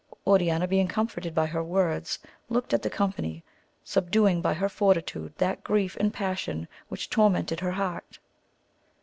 Oriana being comforted by her words looked at the company, sub duing by her fortitude that grief and passion which tonnented her heart.